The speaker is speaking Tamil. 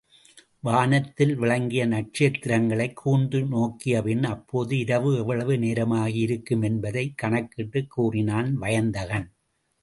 வானத்தில் விளங்கிய நட்சத்திரங்களைக் கூர்ந்து நோக்கியபின் அப்போது இரவு எவ்வளவு நேரமாகி இருக்கும் என்பதைக் கணக்கிட்டுக் கூறினான் வயந்தகன்.